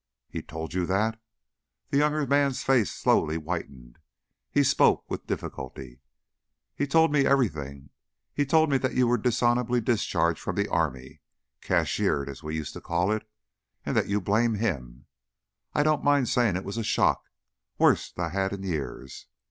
"He told you that?" The younger man's face had slowly whitened; he spoke with difficulty. "He told me everything. He told me that you were dishonorably discharged from the army cashiered, we used to call it and that you blame him. I don't mind saying it was a shock worst I've had in years.